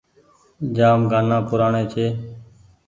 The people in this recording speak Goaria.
جآم گآنآ پرآني ڇي ۔